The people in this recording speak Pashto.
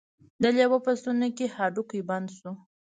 د لیوه په ستوني کې هډوکی بند شو.